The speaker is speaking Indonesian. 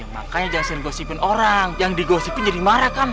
makanya jangan gosipin orang yang digosipin jadi marah kan